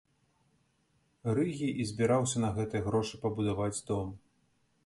Рыгі і збіраўся на гэтыя грошы пабудаваць дом.